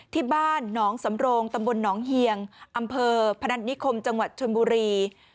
ที่บ้านหนองสำโรงตำบลหนองเฮียงอำเภอพนัฐนิคมจังหวัดชนบุรี